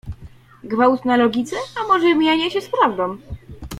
Gwałt na logice a może mijanie się z prawdą?